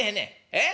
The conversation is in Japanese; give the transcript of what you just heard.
え？